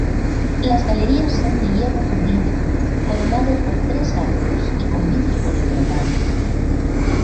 Las galerías son de hierro fundido, coronado por tres arcos y con vidrios policromados.